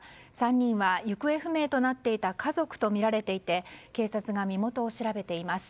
３人は行方不明となっていた家族とみられていて警察が身元を調べています。